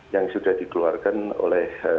yang sudah dikeluarkan oleh